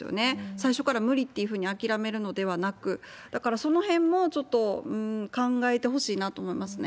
最初から無理っていうふうに諦めるのではなく、だからそのへんもちょっと考えてほしいなと思いますね。